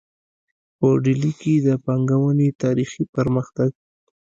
په ډیلي کې د پانګونې تاریخي پرمختګ